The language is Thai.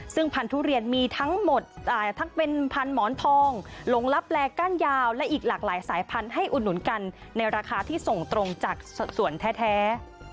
ซึ่งพันธุเรียนมีทั้งหมดทั้งเป็นพันหมอนทองหลงลับแลก้านยาวและอีกหลากหลายสายพันธุ์ให้อุดหนุนกันในราคาที่ส่งตรงจากส่วนแท้